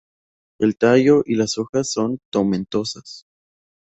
El tallo y las hojas son tomentosas.